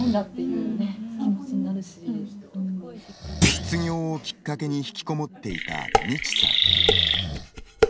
失業をきっかけにひきこもっていたみちさん。